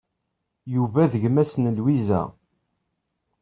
Yuba d gma-s n Lwiza.